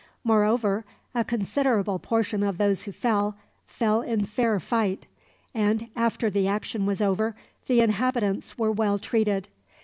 Moreover, a considerable portion of those who fell, fell in fair fight; and after the action was over, the inhabitants were well treated.